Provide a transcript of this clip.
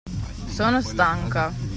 Sono stanca.